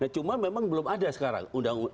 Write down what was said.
cuma memang belum ada sekarang